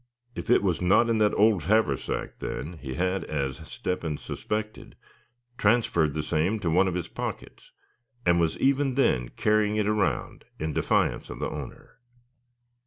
If it was not in that old haversack then, he had, as Step hen suspected, transferred the same to one of his pockets; and was even then carrying it around, in defiance of the owner.